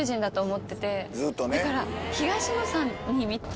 だから。